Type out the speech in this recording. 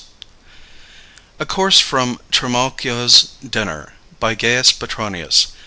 _ A Course From Trimalchio's Dinner. By GAIUS PETRONIUS.